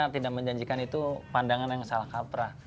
tidak menjanjikan itu pandangan yang salah kaprah